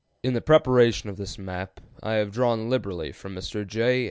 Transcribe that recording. In the preparation of this map I have drawn liberally from Mr. J.